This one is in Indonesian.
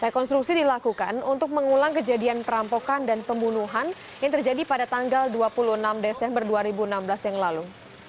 rekonstruksi dilakukan untuk mengulang kejadian perampokan dan pembunuhan yang terjadi pada tanggal dua puluh enam desember dua ribu enam belas yang lalu